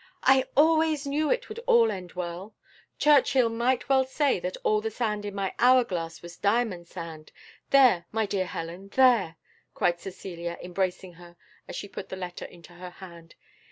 "I always knew it would all end well! Churchill might well say that all the sand in my hour glass was diamond sand. There, my dear Helen there," cried Cecilia, embracing her as she put the letter into her hand.